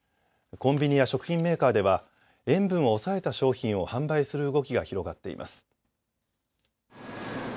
コンビニや食品メーカーでは塩分を抑えた商品を販売する動きが広がっています。